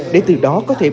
để từ đó có thể bỏ hạng